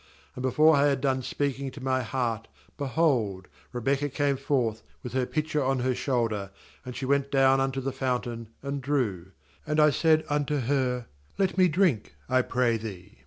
^And before I had done speaking to my heart, be hold, Rebekah came forth with her pitcher on her shoulder; and she went down unto the fountain, and drew. And I said unto her: Let me drink, I pray thee.